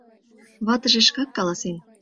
Ватыже шкак каласен: